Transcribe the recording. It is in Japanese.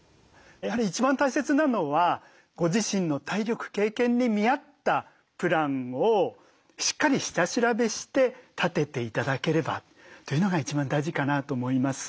やはり一番大切なのはご自身の体力経験に見合ったプランをしっかり下調べして立てて頂ければというのが一番大事かなと思います。